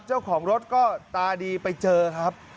เจ้าของรถก็ตาดีไปเจอครับ